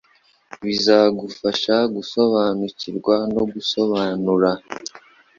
bizagufasha gusobanukirwa no gusobanura